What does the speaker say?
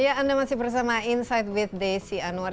ya anda masih bersama insight with desi anwar